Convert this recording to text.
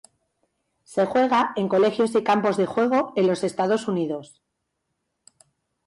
Se juega en colegios y campos de juegos en los Estados Unidos.